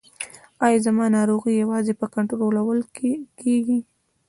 ایا زما ناروغي یوازې په کنټرول کیږي؟